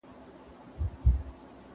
زه هره ورځ د ښوونځی لپاره امادګي نيسم!.